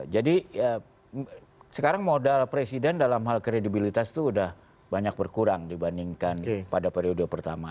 jadi sekarang modal presiden dalam hal kredibilitas itu udah banyak berkurang dibandingkan pada periode pertama